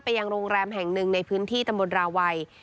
ยังโรงแรมแห่งหนึ่งในพื้นที่ตำบลราวัย